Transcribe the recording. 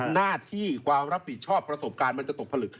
หน้าที่ความรับผิดชอบประสบการณ์มันจะตกผลึก